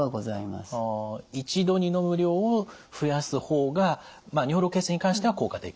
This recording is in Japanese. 一度に飲む量を増やす方が尿路結石に関しては効果的。